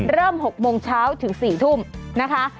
๖โมงเช้าถึง๔ทุ่มนะคะ